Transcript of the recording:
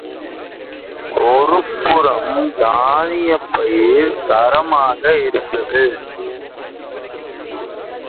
ஒருபுறம் தானியப் பயிர் தரமாக இருந்தது.